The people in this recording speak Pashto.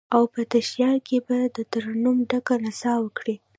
او په تشیال کې به، دترنم ډکه نڅا وکړي